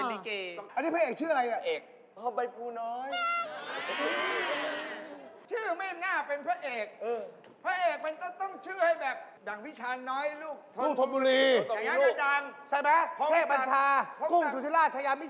นี่มึงก็ยืนภาพนางไม่ใช่ทันเล่นเดี๋ยวมึงยืนอยู่อย่างนี้